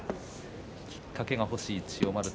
きっかけが欲しい千代丸です。